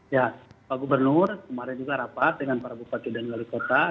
ya pak gubernur kemarin juga rapat dengan para bupati dan wali kota